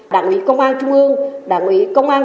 đảng ủy công an trung ương đảng ủy công an